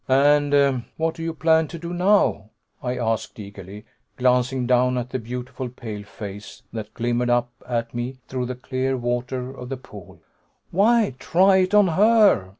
"And what do you plan to do now?" I asked eagerly, glancing down at the beautiful pale face that glimmered up at me through the clear water of the pool. "Why, try it on her!"